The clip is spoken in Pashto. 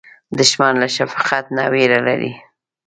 دښمن له شفقت نه وېره لري